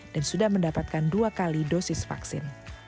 dan sudah mendapatkan dua kali dosis vaksin